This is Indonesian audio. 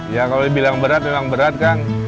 ya kalau dibilang berat memang berat kan